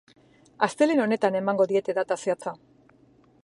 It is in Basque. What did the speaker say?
Astelehen honetan emango diete data zehatza.